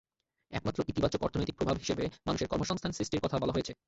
একমাত্র ইতিবাচক অর্থনৈতিক প্রভাব হিসেবে মানুষের কর্মসংস্থান সৃষ্টির কথা বলা হয়েছে।